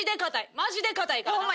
マジで固いからな。